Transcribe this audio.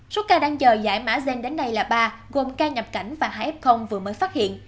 số ca đang chờ giải mã gen đến nay là ba gồm ca nhập cảnh và hai f vừa mới phát hiện